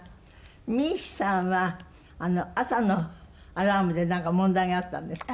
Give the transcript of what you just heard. ＭＩＩＨＩさんは朝のアラームでなんか問題があったんですって？